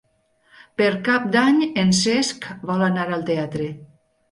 Per Cap d'Any en Cesc vol anar al teatre.